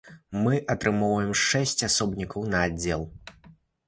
Мы атрымоўваем шэсць асобнікаў на аддзел.